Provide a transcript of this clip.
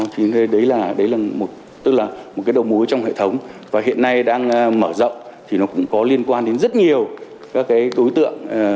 thì đấy là một cái đầu mối trong hệ thống và hiện nay đang mở rộng thì nó cũng có liên quan đến rất nhiều các cái tối tượng